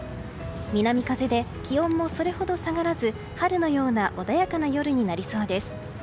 南風で気温もそれほど下がらず春のような穏やかな夜になりそうです。